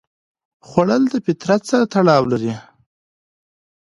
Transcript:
خوړل د فطرت سره تړاو لري